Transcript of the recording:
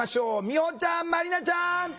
みほちゃんまりなちゃん。